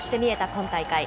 今大会。